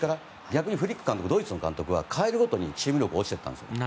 逆にフリック監督は代えるごとにチーム力が落ちていったんです。